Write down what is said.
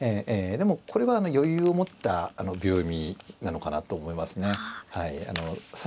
でもこれは余裕を持った秒読みなのかなと思いますね。